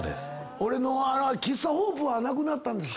俺の喫茶ホープはなくなったんですか？